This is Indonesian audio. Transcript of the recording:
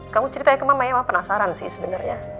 kamu ceritain ke mama ya mama penasaran sih sebenarnya